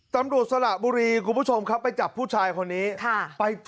สละบุรีคุณผู้ชมครับไปจับผู้ชายคนนี้